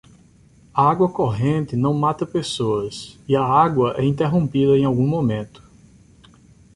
A água corrente não mata pessoas e a água é interrompida em algum momento.